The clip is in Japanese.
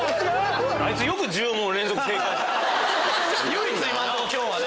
唯一今のところ今日は。